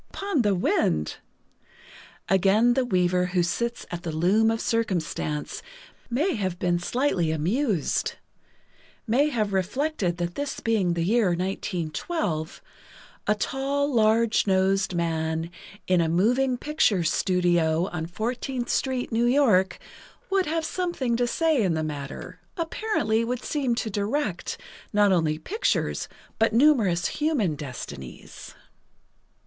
"Upon the wind!" Again the Weaver who sits at the Loom of Circumstance may have been slightly amused—may have reflected that this being the year 1912, a tall, large nosed man, in a moving picture studio on Fourteenth Street, New York, would have something to say in the matter—apparently—would seem to direct, not only pictures, but numerous human destinies.